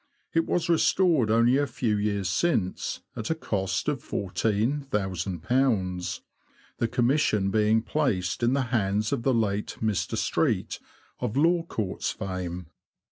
It was restored only a few years since, at a cost of ;£i4,ooo, the commission being placed in the hands of the late Mr. Street, of Law Courts fame.